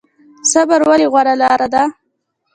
صبر ولې غوره لاره ده؟